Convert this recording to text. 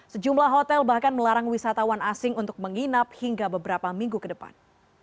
sejumlah hotel bahkan melarang wisatawan asing untuk menginap hingga beberapa minggu ke depan